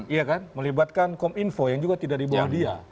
iya kan melibatkan kominfo yang juga tidak dibawa dia